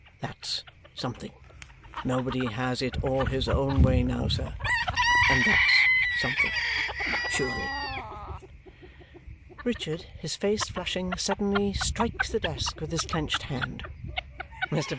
THAT'S something. Nobody has it all his own way now, sir. And THAT'S something, surely." Richard, his face flushing suddenly, strikes the desk with his clenched hand. "Mr.